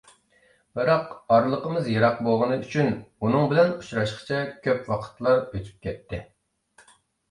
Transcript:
بىراق ئارىلىقىمىز يىراق بوغىنى ئۈچۈن ئۇنىڭ بىلەن ئۇچراشقىچە كۆپ ۋاقىتلا ئۆتۈپ كەتتى.